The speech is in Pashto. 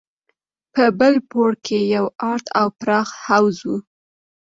په بل پوړ کښې يو ارت او پراخ حوض و.